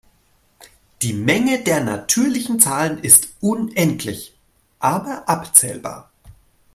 Die Menge der natürlichen Zahlen ist unendlich aber abzählbar.